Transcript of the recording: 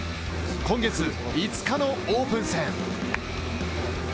今月５日のオープン戦。